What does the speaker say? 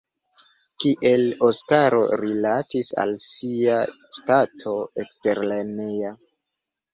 Kiel Oskaro rilatis al sia stato eksterlerneja?